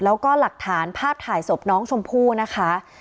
แล้วก็หลักฐานภาพถ่ายศพน้องชมพู่นะคะ